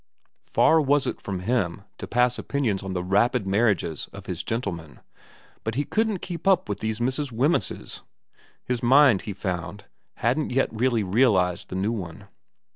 Far was it from him to pass opinions on the rapid marriages of gentlemen, but he couldn't keep up with these Mrs. Wemysses. His mind, he found, hadn't yet really realised the new one.